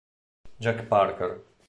Jack Parker